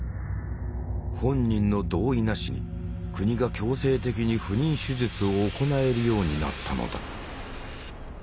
本人の同意なしに国が強制的に不妊手術を行えるようになったのだ。